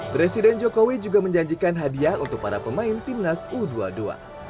presiden jokowi juga menjanjikan hadiah untuk para pemain timnas u dua puluh dua